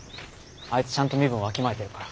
あいつちゃんと身分わきまえてるから。